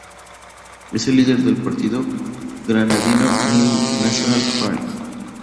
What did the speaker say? Es el líder del partido político granadino New National Party.